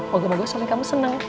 moga moga suami kamu seneng